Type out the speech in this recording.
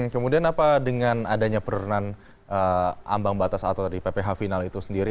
kemudian apa dengan adanya penurunan ambang batas atau tadi pph final itu sendiri